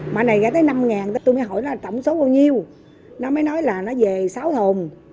mà này gh tới năm tôi mới hỏi là tổng số bao nhiêu nó mới nói là nó về sáu thôn